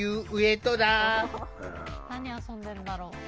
何遊んでんだろう。